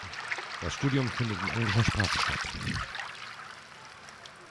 Das Studium findet in englischer Sprache statt.